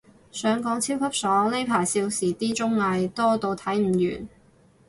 想講，超級爽，呢排少時啲綜藝，多到睇唔完